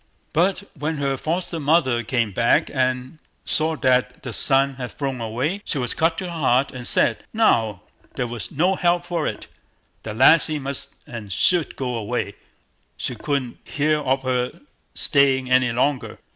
But when her foster mother came back and saw that the sun had flown away, she was cut to the heart, and said, "Now, there was no help for it, the lassie must and should go away; she couldn't hear of her staying any longer."